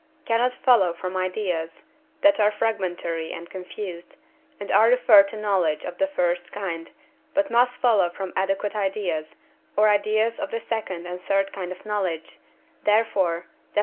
cannot follow from ideas that are fragmentary and confused, and are referred to knowledge of the first kind, but must follow from adequate ideas, or ideas of the second and third kind of knowledge; therefore (Def.